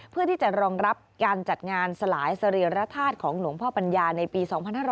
เพื่อที่จะรองรับการจัดงานสลายสรีรธาตุของหลวงพ่อปัญญาในปี๒๕๕๙